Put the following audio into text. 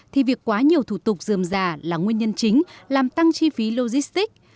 thì việc quá nhiều thủ tục dườm già là nguyên nhân chính làm tăng chi phí logistics